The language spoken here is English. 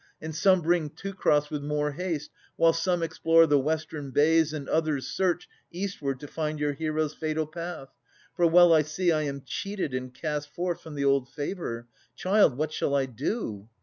And some bring Teucer with more haste, while some Explore the western bays and others search Eastward to find your hero's fatal path ! For well I see I am cheated and cast forth From the old favour. Child, what shall I do